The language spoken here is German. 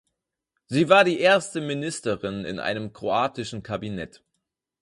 Sie war die erste Ministerin in einem kroatischen Kabinett.